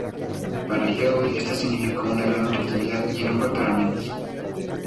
Para Joy esta significó una gran oportunidad, y no fue para menos.